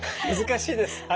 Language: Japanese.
難しいです。